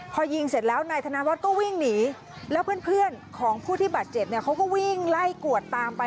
พอยิงเสร็จแล้วนายธนวัฒน์ก็วิ่งหนีแล้วเพื่อนของผู้ที่บาดเจ็บเนี่ยเขาก็วิ่งไล่กวดตามไป